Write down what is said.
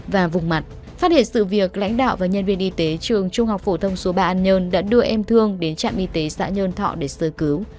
và vùng mặt phát hiện sự việc lãnh đạo và nhân viên y tế trường trung học phổ thông số ba an nhơn đã đưa em thương đến trạm y tế xã nhơn thọ để sơ cứu